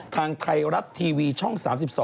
ทางไทยรัฐทีวีช่อง๓๒